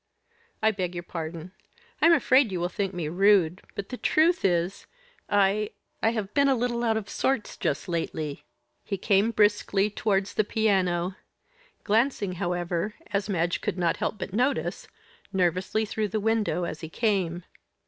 "I beg your pardon; I am afraid you will think me rude, but the truth is, I I have been a little out of sorts just lately." He came briskly towards the piano; glancing however, as Madge could not help but notice, nervously through the window as he came.